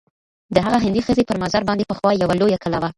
د هغه هندۍ ښځي پر مزار باندي پخوا یوه لویه کلا وه.